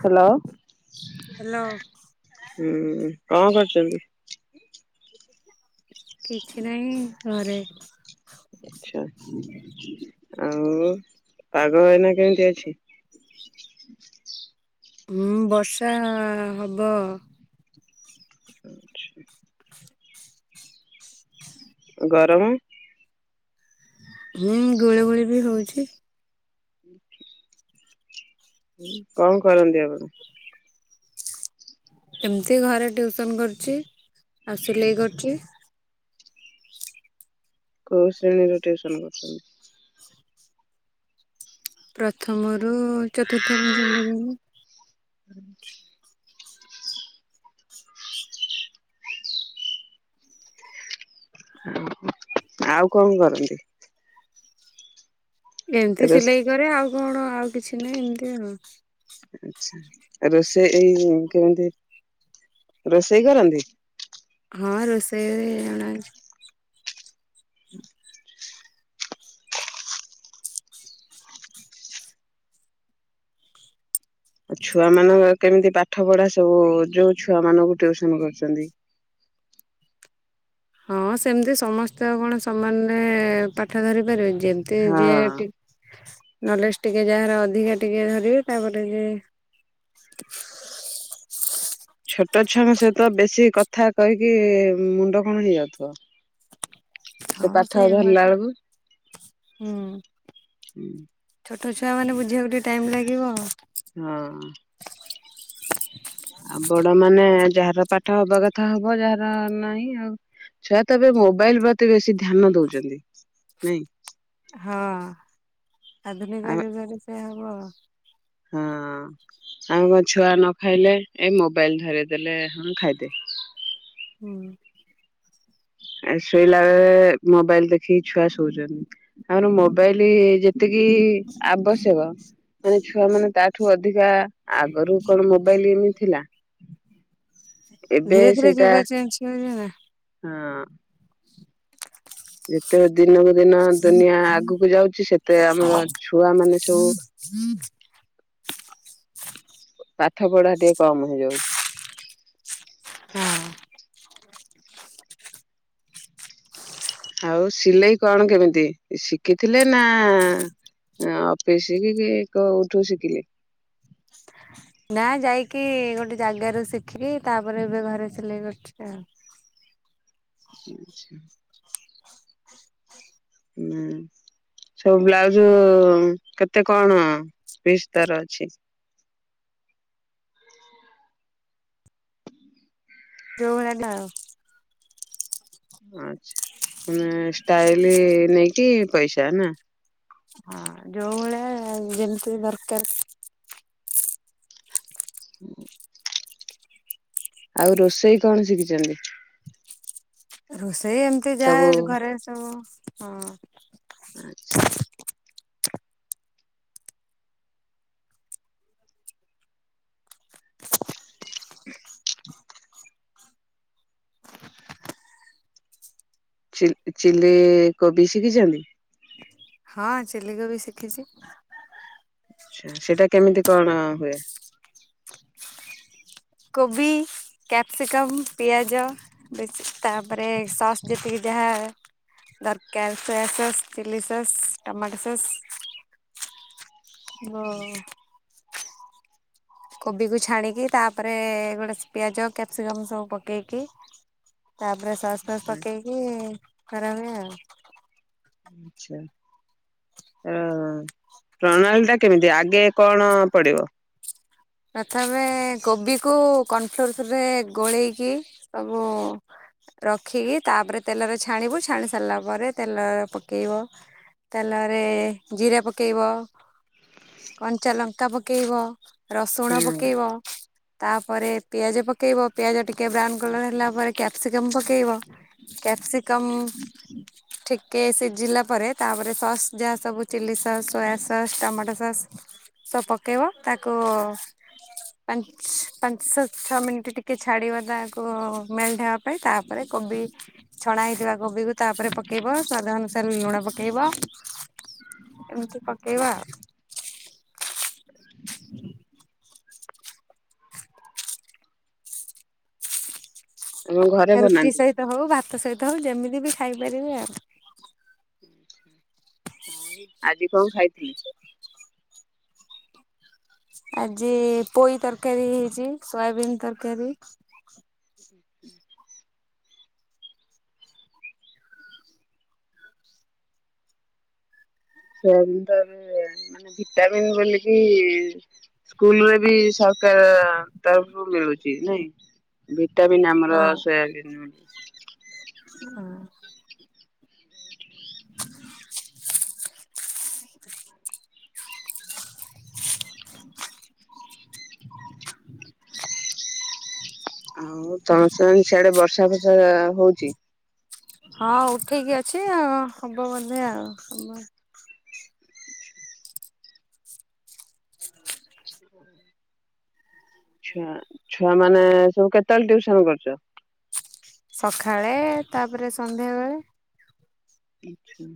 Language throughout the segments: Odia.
ହ୍ୟାଲୋ ହ୍ୟାଲୋ ହୁଁ କଣ କରୁଛନ୍ତି କିଛି ନାହିଁ ଘରେ। ଆଚଛା। ଆଉ ପାଗ ଭଇନା କେମିତି ଅଛି। ହୁଁ ବର୍ଷା ହବ। ଗରମ। ହୁଁ ଗୋଳି ଗୋଳି ବି ହଉଛି। କଣ କରନ୍ତି ଆପଣ। ଏମିତି ଘରେ ଟିଉସନ କରୁଛି ଆଉ ସିଲେଇ କରୁଛି। କୋଉ ଶ୍ରେଣୀରୁ ଟୁସନ କରୁଛନ୍ତି। ପ୍ରଥମ ଆ ଚତୁର୍ଥ ପ ଜନ୍ମ ଯ ହୁଁ ଆଉ କଣ କରନ୍ତି। ଏମିତି ରୋଷ ସିଲେଇ କରେ ଆଉ। କଣ ଆଉ କିଛି ନାହିଁ ଏମତି ଆଉ। ଆଛା ରୋଷେଇ ଏଇ କେମତି ରୋଷେଇ କରନ୍ତି। ହଁ ରୋଷେଇରେ ଜଣା ହେଉଛି। ହୁଁ। ଆଉ ଛୁଆ ମାନଙ୍କ କେମିତି ପାଠ ପଢା ସବୁ ଯୋଉ ଛୁଆ ମାନଙ୍କୁ ଟିଉସନ କରୁଛନ୍ତି। ହଁ ସେମିତି ସମସ୍ତେ ଆଉ କଣ ସମାନରେ ପାଠ ଧରି ପାରିବେ। ଯେମତି ଯ ହଁ। ଟିକ ନଲେଜ ଟିକେ ଯାହାର ଅଧିକା ଟିକେ ଧରିବେ ତାପରେ ଯ ଛୋଟ ଛୁଆଙ୍କ ସହିତ ବେଶୀ କଥା କହିକି ମୁଣ୍ଡ କଣ ହେଇଯାଉଥିବ। ସେ ହଁ ପାଠ ଧରିଲା ସେଇଭଳିଆ ବେଳକୁ ହଁ। ତ ଛୁଆମାନେ ବୁଝିବାକୁ ଟିକେ ଟାଇମ୍ ଲାଗିବ। ହଁ ଆଉ ବଡ ମାନେ ଯାହାର ପାଠ ହବା କଥା ହବ ଯାହାର ନାହିଁ ଆଉ ଛୁଆ ତ ଏବେ ମୋବାଇଲ ପ୍ରତି ବେଶୀ ଧ୍ୟାନ ଦଉଛନ୍ତି ନାଇଁ ହଁ ଆଧୁନିକ ଆଉ ଯୁଗରେ ସେ ହୁ ହଁ ଆଉ କଣ ଛୁଆ ନ ଖାଇଲେ ଏ ମୋବାଇଲ ଧରିଦେଲେ ହଁ ଖାଇଦେ। ହୁଁ ଶୋଇଲା ବେଳେ ମୋବାଇଲ ଦେଖିକି ଛୁଆ ଶଉଛନ୍ତି। ଆମର ମୋବାଇଲ ଯେତିକି ଆବଶ୍ୟକ ମାନେ ଛୁଆ ମାନେ ତାଠୁ ଅଧିକା ଆଗରୁ କଣ ମୋବାଇଲ ଏମିତି ଥିଲା। ଏବେ ଧୀରେ ଧୀରେ ସେଇଟା ଯୋଗା ଚେଞ୍ଜ। ହଁ ଯେତେ ଦିନ ବ ଦିନ ଦୁନିଆ ଆଗକୁ ଯାଉଛି ସେତେ ଆମର ଛୁଆ ମାନେ ସବୁ ପାଠ ପଢା ଟିକେ କମ୍ ହେଇଯାଉଛି। ହଁ। ଆଉ ସିଲେଇ କଣ କେମିତି ଶିଖିଥିଲେ ନା ଅଫିସ କି କୋଉଠୁ ଶିଖିଲେ ନା ଯାଇକି ଗୋଟେ ଜାଗାରେ ଶିଖିକି ତାପରେ ଏବେ ଘରେ ସିଲେଇ କରଛି ଆଉ। ଆଚ୍ଛା [inaudible] ଉଁ। ସବୁ ବ୍ଲାଉଜ କେତେ କଣ ପିସ୍ ତାର ଅଛି? ଯୋଉ ଭଳିଆ ହେଲା ଆଉ। ଆଛା ମାନେ ଷ୍ଟାଇଲ ନେଇକି ପଇସା ନା। ଆ ଯେମିତି ଦରକାର। ଆଉ ରୋଷେଇ କଣ ଶିଖିଛନ୍ତି? ରୋଷେ ରେ ଏମିତି ଯା ସବୁ ଘରେ ସବୁ ହଁ। ଆଚ୍ଛା। ଚିଲ୍-ଚିଲ୍ଲି କୋବି ଶିଖିଛନ୍ତି? ହଁ ଚିଲ୍ଲି କୋବି ଶିଖିଛି। ଆଚ୍ଛା। ସେଇଟା କେମିତି କଣ ହୁଏ? କୋବି, କ୍ୟାପ୍ସିକମ୍, ପିଆଜ। ବେଶ୍ ତାପରେ ସସ୍ ଯେତିକି ଯାହା ଦରକାର, soya sauce, chilli sauce, tomato sauce ଭ କୋବିକୁ ଛାଣିକି, ତାପରେ ଗୋଟେ ପିଆଜ, କ୍ୟାପସିକମ ସବୁ ପକେଇକି, ତାପରେ ସସ୍ ଫସ୍ ପକେଇକି କରାହୁଏ ଆଉ। ଆଚ୍ଛା। ପ୍ରଣାଳୀଟା କେମିତି? ଆଗେ କଅଣ ପଡିବ? ପ୍ରଥମେ କୋବିକୁ କର୍ଣ୍ଣଫ୍ଲୋରରେ ଗୋଳେଇକି, ସବୁ ରଖିକି, ତାପରେ ତେଲରେ ଛାଣିବୁ, ଛାଣି ସାରିଲା ପରେ ତେଲରେ ପକେଇବ। ତେଲରେ ଜିରା ପକେଇବ, କଞ୍ଚା ଲଙ୍କା ପକେଇବ ରସୁଣ ହୁଁ ପକେଇବ ତାପରେ ପିଆଜ ପକେଇବ, ପିଆଜ ଟିକେ ବ୍ରାଉନ୍ କଲର୍ ହେଲା ପରେ କ୍ୟାପ୍ସିକମ୍ ପକେଇବ କ୍ୟାପ୍ସିିକମ୍ ଠିକେ ସିଝିଲା ପରେ, ତାପରେ ସସ୍ ଯାହା ସବୁ chilli sauce, soya sauce, tomato sauce ସବୁ ପକେଇବ। ତାକ କୁ ପାଞ୍ଚ୍ ପାଞ୍ଚଶ ଛଅ ମିଣ୍ଟି ଟିକେ ଛାଡିବା ତାକୁ ମେଲଟ୍ ହେବା ପାଇଁ, ତାପରେ କୋବି ଛଣା ହେଇଥିବା କୋବିକୁ ତାପରେ ପକେଇବ, ସ୍ଵାଦ ଅନୁସାରେ ଲୁଣ ପକେଇବ, ଏମତି ପକେଇବ ଆଉ। ଆମ ଘରେ ଆ ରୁଟି ବନାନ୍ତି ସହିତ ହଉ, ଭାତ ସହିତ ହଉ, ଯେମିତି ବି ଖାଇପାରିବେ ଆଉ। ଆଜି କଣ ଖାଇଥିଲେ? ଆଜି ପୋଇ ତରକାରୀ ହେଇଛି ସୋୟାବିନ୍ ତରକାରୀ। ସୋୟାବିନ ତାହେଲେ ମାନେ ଭିଟାମିନ ବୋଲିକି ସ୍କୁଲରେ ବି ସରକାର ତରଫରୁ ମିଳୁଛି ନାଇଁ। ଭିଟାମିନ୍ ଆମର ସୋୟାବିନ୍ [unintelligible] ହଁ। ଆଉ [unintelligible] ସିଆଡେ ବର୍ଷା ଫର୍ଷା ହଉଛି। ହଁ ହଉ ଠିକ ଅଛି ଆ ହବ ବୋଧେ ଆଉ ହବ। ଛୁଆ ଛୁଆ ମାନେ ସବୁ କେତେବେଳେ ଟିୟୁସନ କରୁଚ? ସକାଳେ ତାପରେ ସନ୍ଧ୍ୟାବେଳେ। ଆଚ୍ଛା।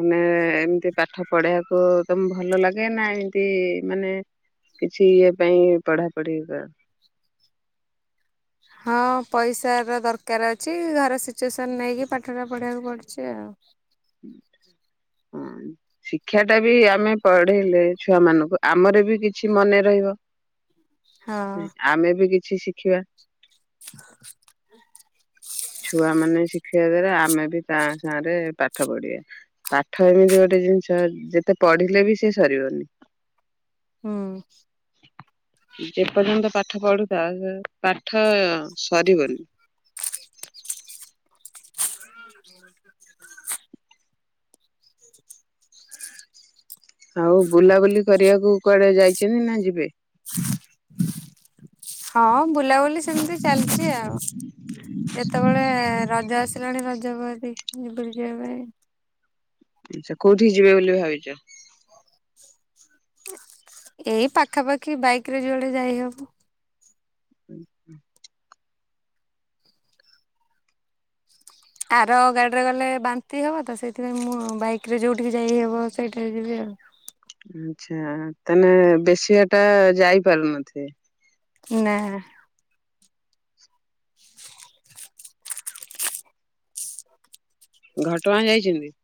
ମାନେ ଏମିତି ପାଠ ପଢ଼େଇବାକୁ ତମ ଭଲ ଲାଗେ ନା ଏମତି ମାନେ କିଛି ଇଏ ପାଇଁ ପଢାପଢି କର? ହଁ ପଇସାର ଦରକାର ଅଛି ଘର ସିଚୁଏସନ୍ ନେଇକି ପାଠଟା ପଢେଇବାକୁ ପଡୁଛି ଆଉ। ହଁ ଶିକ୍ଷା ଟା ବି ଆମେ ପଢେଇଲେ ଛୁଆ ମାନଙ୍କୁ ଆମର ବି କିଛି ମନେ ରହିବ। ହଁ ହୁଁ ଆମେ ବି କିଛି କିଛି ଶିଖିବା। ଛୁଆ ମାନେ ଶିଖିବା ଦ୍ୱାରା ଆମେ ବି ତା ସାଙ୍ଗରେ ପାଠ ପାଠ ପଢିବା ପାଠ ଏମିତି ଗୋଟେ ଜିନିଷ ଯେତେ ପଢିଲେ ବି ସେ ସରିବନି। ହୁଁ। ଯେପର୍ଯ୍ୟନ୍ତ ପାଠ ପଢୁଥା ସ ପାଠ ସରିବନି। ଆଉ ବୁଲାବୁଲି କରିବାକୁ କୁଆଡେ ଯାଇଚନ୍ତି ନା ଯିବେ? ହଁ ବୁଲାବୁଲି ସେମିତି ଚାଲିଚି ଆଉ ଯେତେବେଳେ ରଜ ଆସିଲାଣି ରଜ ଜଗ ଦେଖି [unintelligible] ଆଛା କୋଉଠି ଯିବେ ବୋଲି ଭାବିଚ? ଏଇ ପାଖାପାଖି ବାଇକ୍ ରେ ଜୁଆଡେ ଯାଇହବ। ଉଁ ହୁଁ। ଆର ଗାଡିରେ ଗଲେ ବାନ୍ତି ହବ ତ ସେଇଥିପାଇଁ ମୁଁ ବାଇକ୍ ରେ ଯୋଉଠିକି ଯାଇହବ ସେଇଠାରେ ଯିବି ଆଉ। ଆଛା ତାନେ ବେଶୀ ବାଟ ଯାଇପାରୁନଥିବେ? ନା। ଘଟଗାଁ ଯାଇଚନ୍ତି?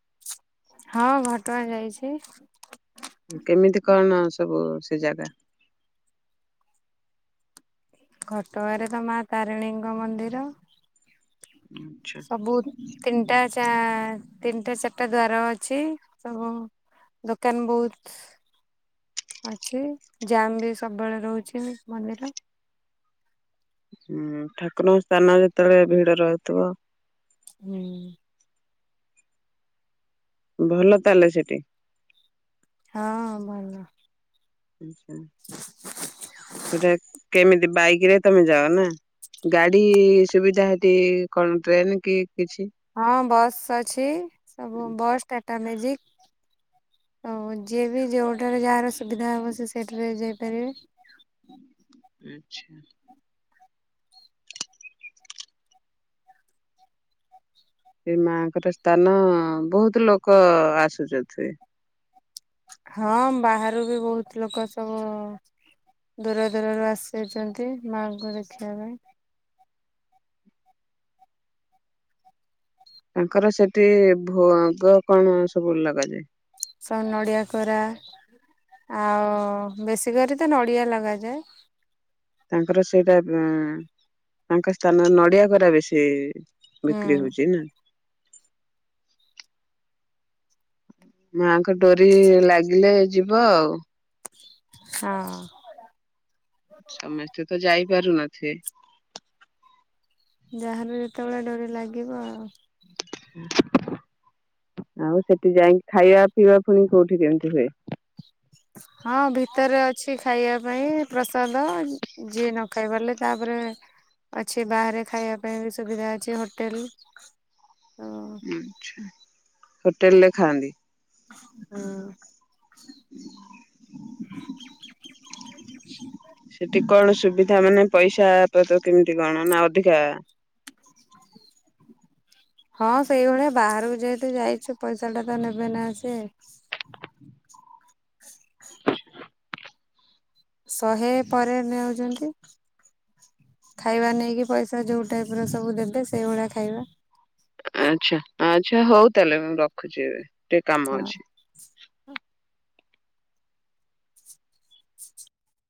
ହଁ ଘଟଗାଁ ଯାଇଚି। କେମିତି କଣ? ସବୁ ସେ ଜାଗା ଘଟଗାଁ ରେ ତ ମା ତାରିଣୀଙ୍କ ମନ୍ଦିର ଆଚ୍ଛା ସବୁ ତିନିଟା ଞ୍ଚା ତିନିଟା ଚାରଟା ଦ୍ଵାର ଅଛି ସବୁ ଦୋକାନ ବହୁତ ଅଛି ଜାମ ବି ସବୁବେଳେ ରହୁଚି ମନ୍ଦିର। ହୁଁ ଠାକୁରଙ୍କ ସ୍ଥାନ ଯେତେବେଳେ ଭିଡ ରହୁଥିବ। ହୁଁ। ଭଲ ତାହେଲେ ସେଠି? ହଁ ଭଲ। ଆଚ୍ଛା ସେଟା କେମିତି ବାଇକ୍ ରେ ତମେ ଯାଅ ନା ଗାଡି ସୁବିଧା ସେଠି କଣ ଟ୍ରେନ କି କିଛି? ହଁ ବସ ଅଛି ସବୁ ବସ ଟା ଟାଟା ମ୍ୟାଜିକ୍ ଆଉ ଯିଏ ବି ଯେଉଠାରେ ଯାହାର ସୁବିଧା ହେବ ସେ ସେଇଟାରେ ଯାଇପାରିବ। ଆଚ୍ଛା। ଏ ମାଙ୍କର ସ୍ଥାନ ବହୁତ ଲୋକ ଆସୁଚନ୍ତି। ହଁ ବାହାରୁ ବି ବହୁତ ଲୋକ ସବୁ ଦୂର ଦୂରରୁ ଆସିଚନ୍ତି ମାଙ୍କୁ ଦେଖିବା ପାଇଁ। ତାଙ୍କର ସେଠି ଭୋଗ କଣ ସବୁ ଲଗାଯାଏ। ସବୁ ନଡ଼ିଆ କୋରା ଆଉ ବେଶୀ କରି ତ ନଡ଼ିଆ ଲଗାଯାଏ। ତାଙ୍କର ସେଇଟା ଉଁ ତାଙ୍କ ସ୍ଥାନ ରେ ନଡିଆ କୋରା ବେଶୀ ବିକ୍ରି ହୁଁ ହଉଚି ନା? ମାଆଙ୍କ ଡୋରି ଲାଗିଲେ ଯିବ ଆଉ। ହଁ। ସମସ୍ତେ ତ ଯାଇପାରୁନଥିବେ। ଯାହାହାର ଯେତେବେଳେ ଡରି ଲାଗିବ ଆଉ। ଆଉ ସେଠି ଯାଇକି ଖାଇବା ପିଇବା ପୁଣି କୋଉଠି କେମିତି ହୁଏ। ହଁ ଭିତରେ ଅଛି ଖାଇବା ପାଇଁ ପ୍ରସାଦ ଯିଏ ନ ଖାଇ ପାରିଲେ ତାପରେ ଅଛି ବାହାରେ ଖାଇବା ପାଇଁ ବି ସୁବିଧା ଅଛି ହୋଟେଲ। ଆଛା ହୋଟେଲ ରେ ଖାଆନ୍ତି। ସେଠି ହଁ। କଣ ସୁବିଧା ମାନେ ପଇସା ତ କେମିତି କଣ ନା ଅଧିକା ହଁ ସେଇଭଳିଆ ବାହାରକୁ ଯେହେତୁ ଯାଇଛୁ ପଇସା ଟା ତ ନେବେ ନା ସି ଶହେ ପରେ ନେଉଛନ୍ତି ଖାଇବା ନେଇକି ପଇସା ଯୋଉ ଟାଇପ ର ସବୁ ଦେବେ ସେଇଭଳିଆ ଖାଇବା। ଆଚ୍ଛା। ଆଚ୍ଛା ହଉ ତାହେଲେ ମ୍ୟାମ ରଖୁଛି ଏବେ। ଗୋଟେ କାମ ହଁ ଅଛି।